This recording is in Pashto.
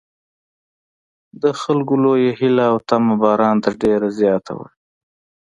د خلکو لویه هیله او تمه باران ته ډېره زیاته وه.